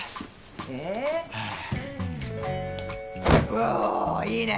おぉいいね。